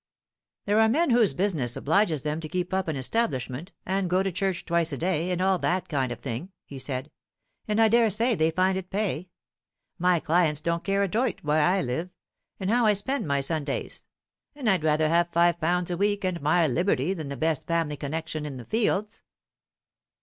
"There are men whose business obliges them to keep up an establishment, and go to church twice a day, and all that kind of thing," he said; "and I dare say they find it pay. My clients don't care a doit where I live, or how I spend my Sundays; and I'd rather have five pounds a week and my liberty than the best family connection in the Fields."